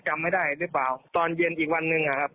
จำไม่ได้หรือเปล่าตอนเย็นอีกวันหนึ่งอะครับ